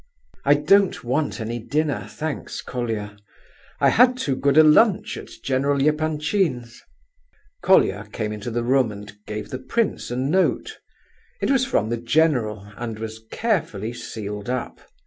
"I don't want any dinner, thanks, Colia. I had too good a lunch at General Epanchin's." Colia came into the room and gave the prince a note; it was from the general and was carefully sealed up.